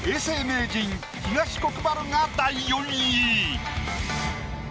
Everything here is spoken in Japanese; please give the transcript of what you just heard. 名人東国原が第４位。